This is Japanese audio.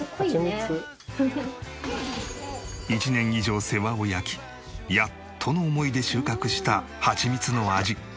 １年以上世話を焼きやっとの思いで収穫したハチミツの味。